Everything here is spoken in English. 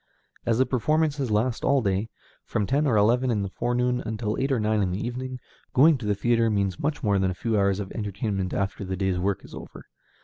As the performances last all day, from ten or eleven in the forenoon until eight or nine in the evening, going to the theatre means much more than a few hours of entertainment after the day's work is over.